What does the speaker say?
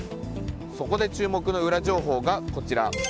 そこで注目のウラ情報がこちら。